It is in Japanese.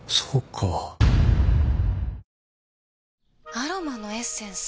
アロマのエッセンス？